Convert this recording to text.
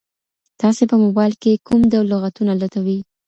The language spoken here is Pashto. تاسي په موبایل کي کوم ډول لغتونه لټوئ؟